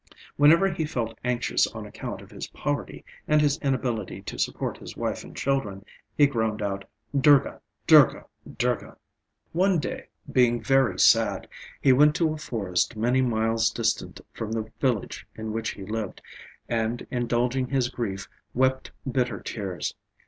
Whenever he felt anxious on account of his poverty and his inability to support his wife and children, he groaned out "Durga! Durga! Durga!" One day, being very sad, he went to a forest many miles distant from the village in which he lived, and indulging his grief wept bitter tears.